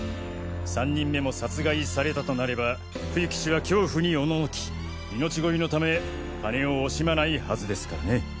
３人目も殺害されたとなれば冬木氏は恐怖に戦き命乞いのため金を惜しまないはずですからね。